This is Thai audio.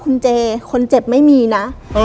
คุณเจคนเจ็บไม่มีนะ